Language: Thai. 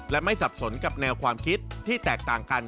และไม่สับสนกับแนวความคิดที่แตกต่างกัน